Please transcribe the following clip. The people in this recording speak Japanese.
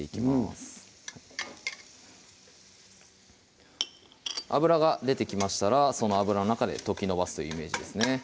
うん脂が出てきましたらその脂の中で溶きのばすというイメージですね